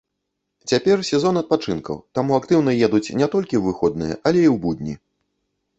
Цяпер сезон адпачынкаў, таму актыўна едуць не толькі ў выходныя, але і ў будні.